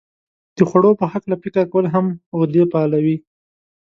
د خوړو په هلکه فکر کول هم دغه غدې فعالوي.